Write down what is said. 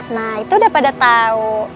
nah itu udah pada tahu